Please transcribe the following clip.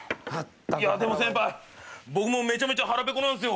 でも先輩僕もめちゃめちゃ腹ぺこっすよ。